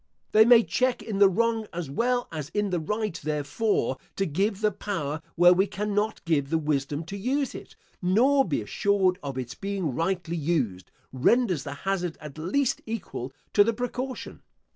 They may check in the wrong as well as in the right therefore to give the power where we cannot give the wisdom to use it, nor be assured of its being rightly used, renders the hazard at least equal to the precaution.